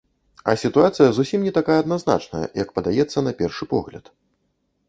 А сітуацыя зусім не такая адназначная, як падаецца на першы погляд.